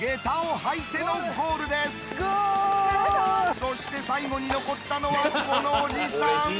そして最後に残ったのはこのおじさん。